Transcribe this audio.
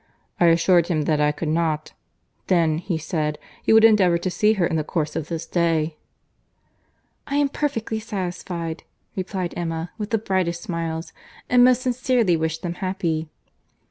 I assured him that I could not. Then, he said, he would endeavour to see her in the course of this day." "I am perfectly satisfied," replied Emma, with the brightest smiles, "and most sincerely wish them happy."